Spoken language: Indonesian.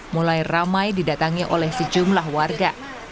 mulai ramai didatangi oleh sejumlah warga